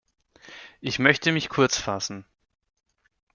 Ich möchte mich kurz fassen.